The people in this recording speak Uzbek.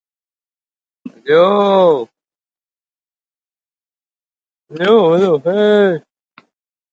Fransuz yigit tabassumini to‘xtata olmaydi.